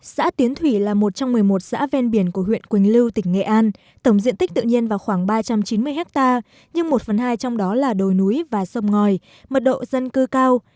xã tiến thủy là một trong một mươi một xã ven biển của huyện quỳnh lưu tỉnh nghệ an tổng diện tích tự nhiên vào khoảng ba trăm chín mươi hectare nhưng một phần hai trong đó là đồi núi và sông ngòi mật độ dân cư cao